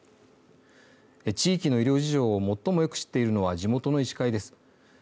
地域の医療事情を最もよく知っているのは地元の医師会です。